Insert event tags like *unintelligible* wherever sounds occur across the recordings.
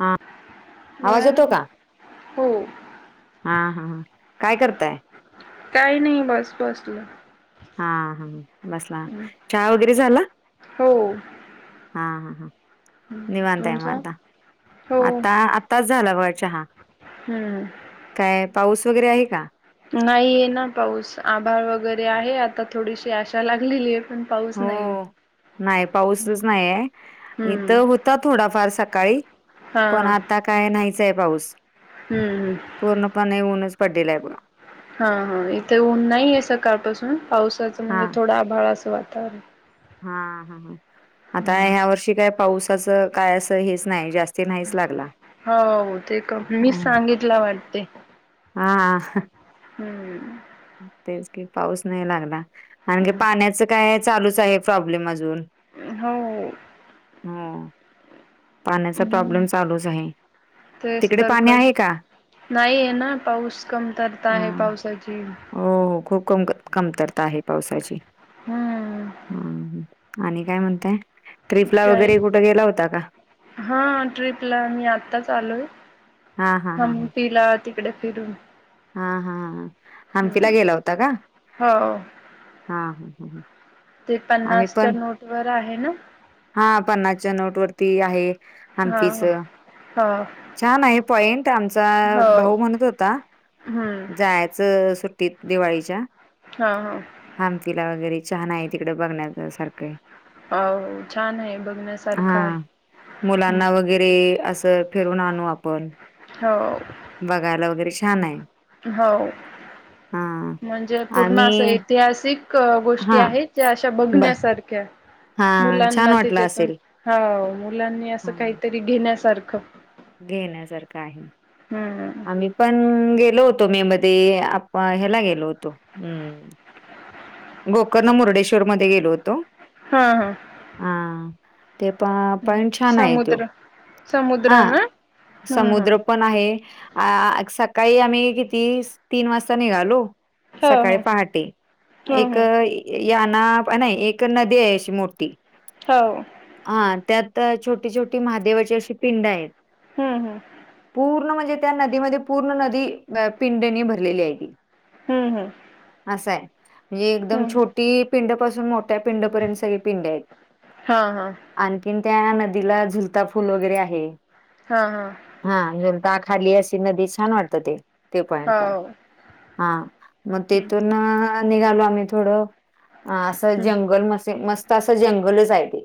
हा, आवाज बोला ना येतो का? हो हां हां हां काय करताय? काही नाही बस बसलं. हा हा बसला चहा वगैरे झालं? हो हा हा ह. निवांताय म तुमचं आता हो आता आताच झाला वळ चहा. हम्म. काय पाऊस वगैरे आहे का? नाहीय ना पाऊस आभाळ वगैरे आहे आता थोडीशी आशा लागलेली आहे. पण पाऊस नाही हो नाही पाऊसच नाहीय इथ हम्म हो आलता थोडाफार सकाळी हां पण आता काय नाहीचय पाऊस. हम्मम्. पूर्णपणे येऊनच पडलेला आहे बघा. हा हा इथे ऊन नाहीे सकाळपासून पावसाचं हा म्हणजे थोडा आभाळा असं वातावरण. हा हा ह आता ह्या वर्षी काय पावसाचं काय असं हेच नाही जास्त. हो ते कर मी सांगितला वाटते. हा. *unintelligible* हम्म. तेच की पाऊस नाही लागला आणखी हम्म पाण्याच काय चालूच आहे प्रॉब्लेम अजून. होय. ह ह. पाण्याचा प्रॉब्लेम हम्म चालूच आहे. तेच तिकडे तर पाणी क आहे का? नाही आहे ना पाऊस कमतरता हा आहे पावसाची. हो हो खूप कम कमतरता आहे पावसाची. हम्म हम्म आणि काय म्हणताय ट्रीपला काय वगैरे कुठे गेला होता का. हा ट्रीपला मी आत्ताच आलोय हा हा हा ह हंपीला. तिकडे फिरून. हा हा हंपीला हम्म गेला होता का? हो हा ह ह ते पन्नासच्या नोट वर आहे ना. हा पन्नासच्या नोट वरती आहे हंपीच. हा. छान आहे पॉइंट आमचा हो भाऊ म्हणत होता. हम्म जायचं सुट्टीत दिवाळीच्या. हा हा. हंपीला वगैरे छान आहे तिकडं बघण्याच सारखं. हो छान आहे बघण्यास. हा मुलांना वगैरे असं फिरून आणू आपण. हो. बघायला वगैरे छान आहे. हो हां म्हणजे पूर्ण आम्ही असं ऐतिहासिक. गोष्टी हां आहेत ज्या अशा ब बघण्यासारख्या हां छान मुलांना वाटलं त्याच्यातून असेल. होव मुलांनी असं हां काहीतरी घेण्यासारखं. घेण्यासारखं आहे. हम्म *inaudible* आम्ही पण गेलो होतो मे मध्ये आप ह्याला गेलो होतो. गोकर्ण मुर्डेश्वर मध्ये गेलो होतो. हा हा. हां. ते प पण छान आहे तो. समुद्र हा समुद्र ना हम्म हम्म समुद्र. पण आहे सकाळी आम्ही किती तीन वाजता निघालो. सकाळी हो पहाटे. हो एक हो याना नाही एक नदी आहे मोठी. हो. हा त्यात छोटी छोटी महादेवाची अशी पिंड आहेत. हम्म हम्म. पूर्ण म्हणजे त्या नदीमध्ये पूर्ण नदी पिंडनी भरलेली आहे ती. हम्म हम्. असं आहे म्हणजे एकदम छोटी पिंड पासून मोठ्या पिंडपर्यंत सगळी पिंड आहेत. हा हा. आणखीन त्या नदीला झुलता फुल वगैरे आहे. हा हा. हा जाता खाली अशी नदी छान वाटत ते. ते पॉइंट हा पण हो हा मग हम्म तेथून निघालो आम्ही थोडं हा असं हम्म जंगल म मस्त असं जंगलच आहे ते.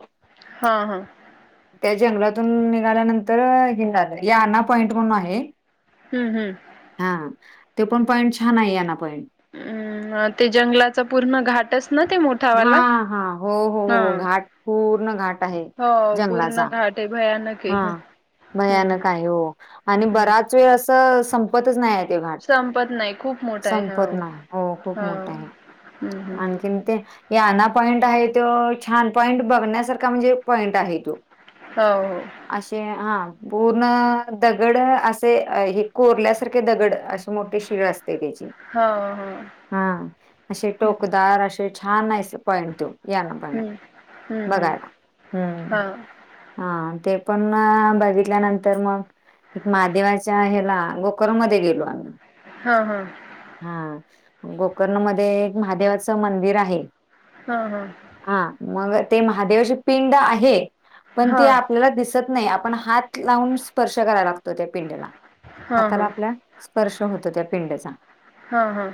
हा हा *inaudible* त्या जंगलातून निघाल्यानंतर हिलं आहे याना पॉईंट म्हणून आहे. हम्म हम्म. हा ते पण पॉईंट छान आहे याना पॉईंट. हम् ते जंगलाचा पूर्ण घाटच ना ते मोठ. हा हा हो हो हो घाट पूर्ण घाट. आहे हो जंगलाचा पूर्ण घाट आहे भयानक हा आहे. हम्म भयानक आहे हो आणि हम्म बराच वेळ असं संपतच नाही आहे ते घाट. संपत नाही खूप मोठा आहे संपत हो ना हो खूप हो मोठा आहे हम्म हम्म आणखीन ते. याना पॉइंट आहे तो छान पॉईंट बघण्यासारखा म्हणजे पॉईंट आहे तो. हो हो. असे हा. पूर्ण दगड असे हे कोरल्यासारखे दगड अशी मोठी शिळ असते त्याची. हो हो *inaudible* हा असे टोकदार असे छान आहे. पॉईंट टू यां ना पॉईंट हम्म हम्म हम्म बघायला हम्. हां हा ते पण बघितल्यानंतर मग. एक महादेवाच्या हला गोकर्म मध्ये गेलो आम्ही. हा हा. हा गोकर्ण मध्ये एक महादेवाचं मंदिर आहे. हा हा. हा मग ते महादेवाची पिंड आहे पण ती हां आपल्याला दिस दिसत नाही आपण हात लावून स्पर्श करायला लागतो त्या पिंडीला हां हां हाताला आपल्या स्पर्श होतो त्या पिंड्याचा. हा हा.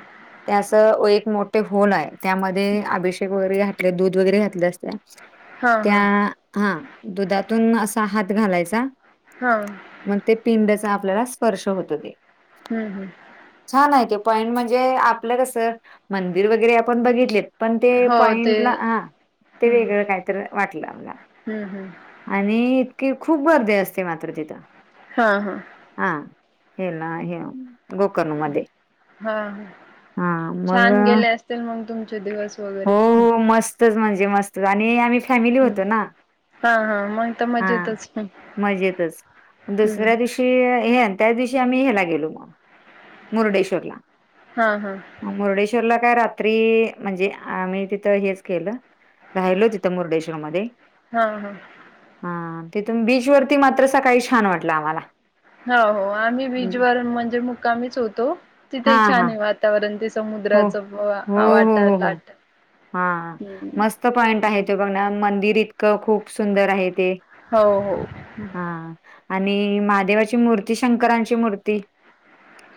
त्याचं एक मोठे होल आहे त्यामध्ये अभिषेक वगैरे. दूध वगैरे घातलं असत हां त्या हां हा. दुधातून असा हात घालायचा. हा. मग ते पिंडचा आपल्याला स्पर्श होत हो ते. हा हा. छान आहे ते पॉइंट म्हणजे आपलं कसं मंदिर वगैरे आपण बघितलेत. पण ते हो ते पॉइंटला ह ते हं, वेगळं काहीतरी वाटलं आला. हं, हं. *inaudible* आणि इतकीे खूप गर्दी असते मात्र तिथं. हा हा. हा हे ना हे गोकर्ण मध्ये हां, हां. हा. छान मग गेले असतील मग तुमचे दिवस हो वगैरे. हो मस्तच म्हणजे मस्त आणि आम्ही फॅमिली हं. होतो ना. हां, हां. मग तर हा मजेतच. हं, मजेतच हं. दुसऱ्या दिवशी. त्या दिवशी आम्हीला गेलो म मुर्डेश्वरला. हा हा मुर्डेश्वरला काय रात्री म्हणजे आम्ही तिथं हेच केलं. राहिलो तिथं मुरडेश्वर मध्ये हा हा हा तिथून बीच वरती मात्र सकाळी छान वाटलं आम्हाला हो हो आम्ही बीजवर म्हणजे मुक्कामीच होतो हा तिथे हा छानये वात वातावरण ते हो समुद्राच हो हो वाट हो लाट हम्म त पॉईंट आहे तो बघण्या मंदिर इतकं खूप सुंदर आहे ते हो हो- हा आणि महादेवाची मूर्ती शंकरांची मूर्ती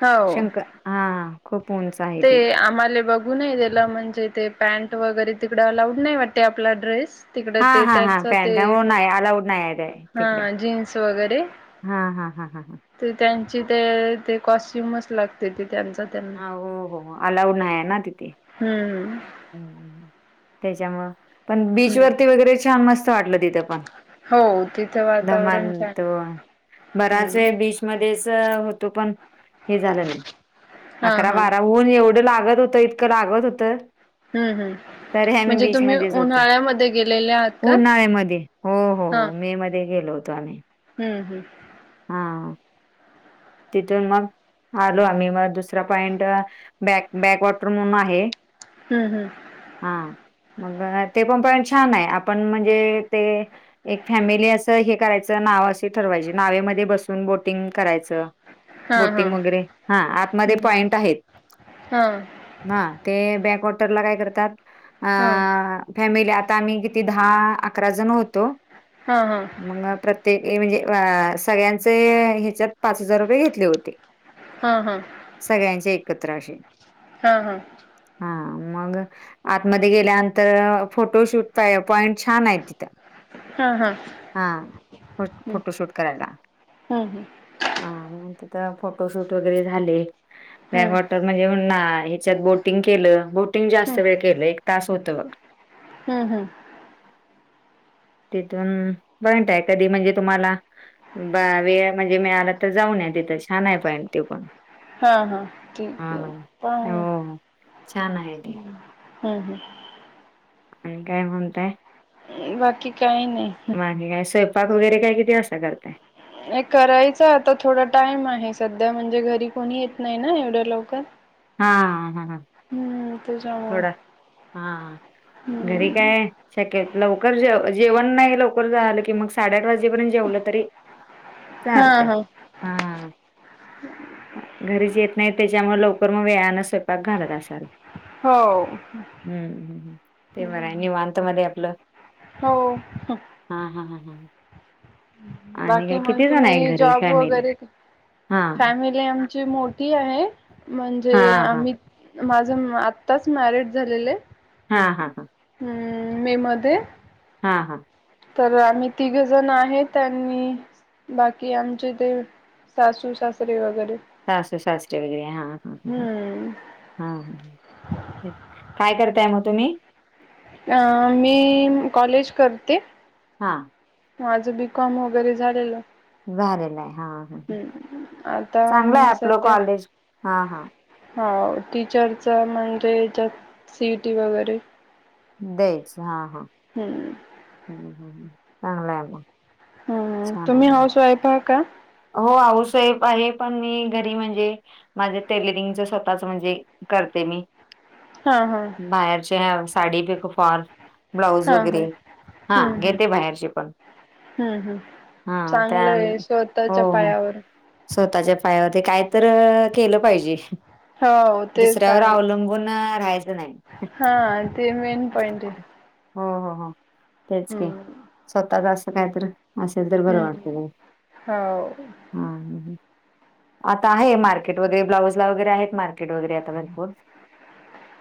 हो. शंकर हा खूप उंच आहे. ते ती आम्हाले बघु घु नाय दिला म्हणजे ते पॅन्ट वगैरे तिकड अलाऊड नाही वाटते आपला ड्रेस तिकड ते त्यांच ते हं आलाऊड नाय ये काय हा जीन्स वगैरे हा हा हा हा ते त्यांची ते ते कॉस्ट्युमच लागते ते त्यांचा त्यांना हा हो हो अलाऊड नाय य ना तिथे हूं त्याच्यामुळ पण बीच हम्म वरती वगैरे छान मस्त वाटलं तिथ ते पण हो तिथं वातावरण दमानं छान त आहे. बराच हम्म वेळ बीच मधेस होतो पण हें झालं नाय हा अकरा हा बारा ऊन एवढं लागत होतं इतकं लागत होतं. हम्म हम्म तरी आम्ही म्हणजे तुम्ही बीचमध्येच होतो उन्हाळ्यामध्ये गेलेले आहात का? उन्हाळ्यामध्ये हो हो हा हो मे मध्ये ते गेलो होतो आम्ही हम्म हम्म हा तिथून मग आलो आम्ही मग दुसरा पॉईंट बॅक बॅक वॉटर म्हणून आहे हूं हूं हा मग ते पण पॉईंट छान आहे आपण म्हणजे ते एक फॅमिली असं हे करायचं नाव अशी ठरवायची नावेमध्ये बसून बोटिंग करायचं. हा हा बोटिंग वगैरे हा आतमध्ये हम्म पॉईंट आहेत. हा न्हा ते बॅकवॉटरला काय करतात हा अ फॅमिली आता आम्ही किती दहा अकरा जण होतो. हा हा मग प्रत्येक म्हणजे अ सगळ्यांचे ह्याच्यात पाच हजार रुपये घेतले होते. हा हा सगळ्यांचे एकत्र असे हा हा हा मग आतमध्ये गेल्यानंतर फोटोशूट पा पॉइंट छान आहे तिथं हा हा हा फ फोटोशूट करायला. हम्म हम्म हा मंग तिथ फोटोशूट वगैरे झाले हम्म बॅगवॉटर म्हणजे मंग नां ह्याच्यात बोटिंग केलं बोटिंग जास्त हम्म वेळ केलं एक तास होत बघा. हम्म हम्म *unintelligible* तिथूनं जॉईट आहे कधी म्हणजे तुम्हाला बा वेळ म्हणजे मिळाला त जाऊन या तिथं छान आहे पॉईंट ते पण हा हा ठीक हा. आहे पण हो छान आहे ते हम्म हम्म आणि काय म्हणताय बाकी काही नाही बाकी काय स्वयपाक वगैरे काय किती वाजता करताय करायच आता थोडा टाइम आहे सध्या म्हणजे घरी कोणी येत नाही ना एवढ्या लवकर हां हां हां हम्म त्याच्यामुळे थोडा हा घरी हम्म काय शक्य लवकर जेवण नाही लवकर झालं की मग साडेआठ वाज पर्यंत जेवलं तरी हा चालत हा हा घरीच येत नाही त्याच्यामुळे लवकर मग वेळाने स्वयंपाक घालत असाल हो हम्म हम्म ते बरं आहे निवांत मध्ये आपलं हो हा हा ह हं ह बाकी मग आहे तुम्ही घरी जॉब फॅमिली? वगैरे हा फॅमिली ते आमची मोठी आहे हा म्हणजे हा आम्ही माझं आत्ताच मॅरिज झालेलं आहे हा हा हां हम्म मे मध्ये हां हां तर आम्ही तिघ जण आहेत त्यांनी बाकी आमचे ते सासू सासरे वगैरे सासु सासरे वगैरे हा हा हा. हम्म हा काय करताय मग तुम्ही अ मी कॉलेज करते हा माझं बी कॉम वगैरे झालेलं आहे झालेलं आहे हा आता चांगलंय मी आपलं सध्या कॉलेज हा हा हो टीचरच म्हणजे याज्यात सी ई टी वगैरे द्यायच हा हा हम्म ह ह चागलंय म छान आहे म *inaudible* प का हो आऊसाहेब आहे पण मी घरी म्हणजे माझे टेलरिंगच स्वतःच म्हणजे करते मी हा हा बाहेरचे साडी बी खू फाॅल ब्लाऊज हा वगैरे हा हा हम्म हम्म घेते बाहेरचे पण हम्म हम् हा त्या चांगलं आहे शत हो हो स्वतःच्या पायावर काय तर केलं पाहिजे हो ते तर दुसऱ्यावर आहेच अवलंबून राहायचं नाही हा ते मेन हो पॉइंट आहे हो हो तेच क हम्म स्वतः चा अस कायतरी असेल तर बरं हम्म वाटतं ग हो हा ह आता आहे मार्केट वगैरे ब्लाउज ला वगैरे आहेत मार्केट वगैरे आता भरपूर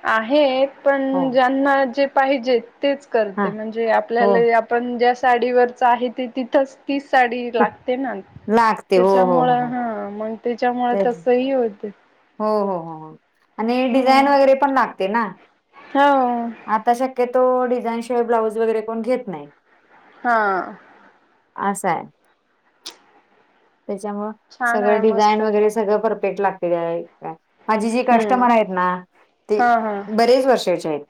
आहेत हो पण ज्यांना जे पाहिजेत तेच हा करते म्हणजे हो आपल्याला पण ज्या साडीवरच आहे ते तिथंच ती साडी ते लागते ना लागते हो हो हो त्याच्यामुळे हो हा मग त्याच्यामुळे ते तस ही होत हो हो हो हो आणि डिझाईन वगैरे पण लागते ना होा आता शक्यतो डिझाईनशिवाय ब्लाऊज वगैरे कोण घेत नाही. हा असा आहे त्याच्यामुळं छान आहे सगळं डिझाईन मस्त वगैरे जॉब सगळं परफेक्ट लागते का माझे जे हम्म कस्टमर आहेत ना ते हा हा बरेच वर्षाचे आहेत.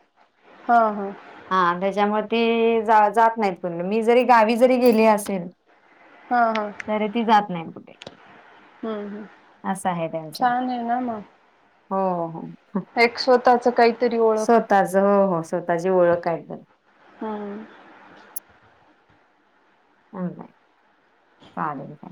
हा हा हा त्याच्यामुळे ते जात नाहीत कुणीकड मी जरी गावी जरी गेली असेल हा हा ती जात नाही कुठे हम्म हम् असं आहे त्यांचा हो हो एक स्वतःच काहीतरी ओळख तचं हो हो स्वतःची ओळख काय तर हम् *unintelligible*